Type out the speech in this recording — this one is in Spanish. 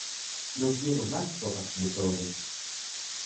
No quiero más sopas de sobre.